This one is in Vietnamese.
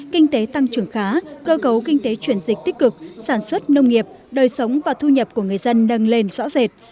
kinh tế tăng trưởng khá cơ cấu kinh tế chuyển dịch tích cực sản xuất nông nghiệp đời sống và thu nhập của người dân nâng lên rõ rệt